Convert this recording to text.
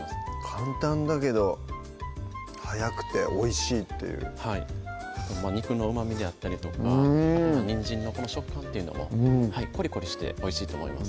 簡単だけど早くておいしいっていうはい肉のうまみであったりとかあとにんじんのこの食感っていうのもコリコリしておいしいと思います